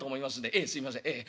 ええすいませんええ。